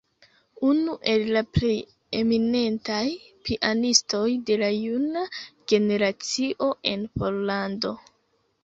Unu el la plej eminentaj pianistoj de la juna generacio en Pollando.